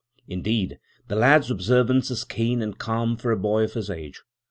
Indeed, the lad's observance is keen and calm for a boy of his age.